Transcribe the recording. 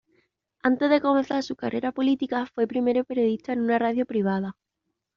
Antes de comenzar su carrera política, fue primero periodista en una radio privada.